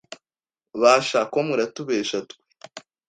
Basha ko muratubesha, twe